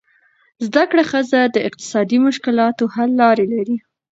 زده کړه ښځه د اقتصادي مشکلاتو حل لارې لري.